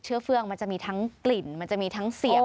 เฟืองมันจะมีทั้งกลิ่นมันจะมีทั้งเสียง